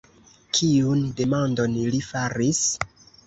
Kiun demandon li faris?